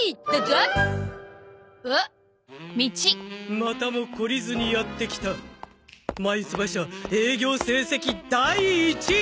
またも懲りずにやって来たマユツバ社営業成績第１位！